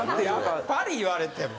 やっぱり言われても。